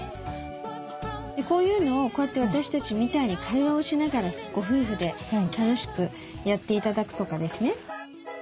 こういうのをこうやって私たちみたいに会話をしながらご夫婦で楽しくやって頂くとかですね。